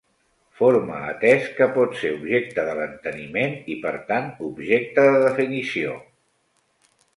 Forma atès que pot ser objecte de l'enteniment i per tant objecte de definició.